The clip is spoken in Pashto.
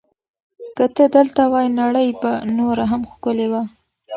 که ته دلته وای، نړۍ به نوره هم ښکلې وه.